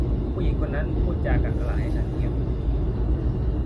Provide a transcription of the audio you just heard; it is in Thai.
ผู้หญิงคนนั้นพูดจากักขฬะให้ฉันเงียบ